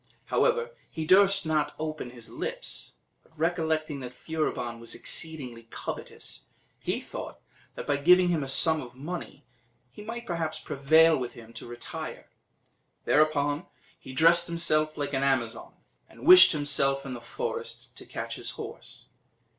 However, he durst not then open his lips; but recollecting that Furibon was exceedingly covetous, he thought that, by giving him a sum of money, he might perhaps prevail with him to retire. Thereupon, he dressed himself like an Amazon, and wished himself in the forest, to catch his horse.